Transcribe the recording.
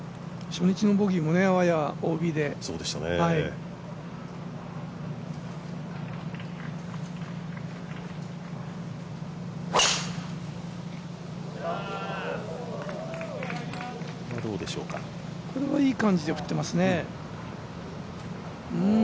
初日のボギーも、あわやＯＢでこれはいい感じで振っていますね。